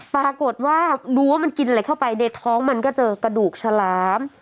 ปรากฏว่ารู้ว่ามันกินอะไรเข้าไปในท้องมันก็เจอกระดูกฉลาม